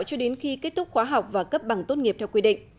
cho đến khi kết thúc khóa học và cấp bằng tốt nghiệp theo quy định